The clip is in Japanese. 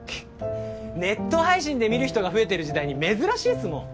ネット配信で観る人が増えてる時代に珍しいっすもん。